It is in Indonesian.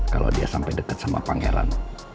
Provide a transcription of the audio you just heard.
kalau dia sampai dekat sama pangeran